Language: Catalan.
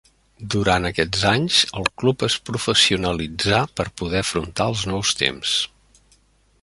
Durant aquests anys el club es professionalitzà per poder afrontar els nous temps.